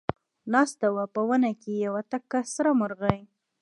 ناسته وه په ونه کې یوه تکه سره مرغۍ